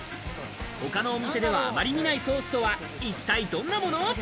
他のお店ではあまり見ないソースとは一体どんなもの？